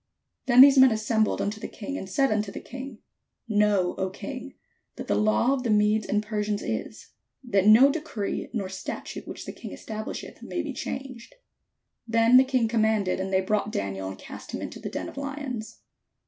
Then these men assembled unto the king, and said unto the king: "Know, 0 king, that the law of the Medes and Persians is. That no decree nor statute which the king establishcth may be changed." Then the king commanded, and they brought Daniel and cast him into the den of lions.